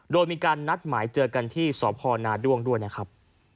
โดยมีการนัดหมายเจอกันที่สพนาด้วงด้วยนะครับ